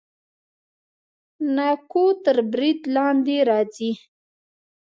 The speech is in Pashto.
نکو تر برید لاندې راځي.